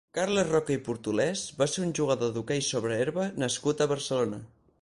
Carles Roca i Portolés va ser un jugador d'hoquei sobre herba nascut a Barcelona.